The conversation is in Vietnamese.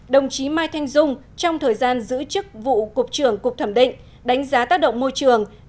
đồng chí mai thanh dung trong thời gian giữ chức vụ cục trưởng cục thẩm định đánh giá tác động môi trường